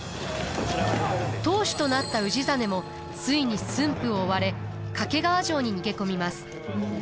当主となった氏真もついに駿府を追われ掛川城に逃げ込みます。